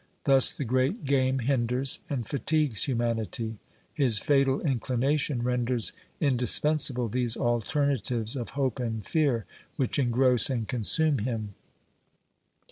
Thus the great game hinders and fatigues humanity ; his fatal inclination renders indispensable these alternatives of hope and fear which engross and consume him.